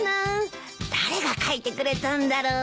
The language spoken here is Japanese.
誰が書いてくれたんだろう？